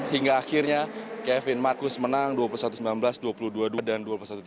hingga akhirnya kevin marcus menang dua puluh satu sembilan belas dua puluh dua dua dan dua puluh satu tiga belas